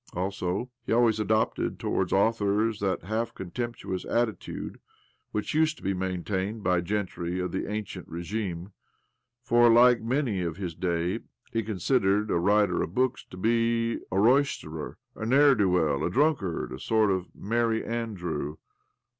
Also, he always adopted towards authors that half contem'ptuous attitude which used to be maintained by gentry of the ancien regime ; for, like many of his day, he considered a writer of books to be a roisterer, a ne'er do well, a drunkard, a sort of merry andrew.